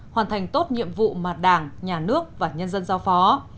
hoàn thành tốt nhiệm vụ mà đảng nhà nước và nhân dân giao phó